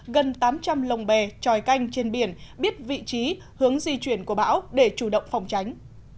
gần tám trăm linh lồng bè tròi canh trên biển biết vị trí hướng di chuyển của bão để chủ động phòng tránh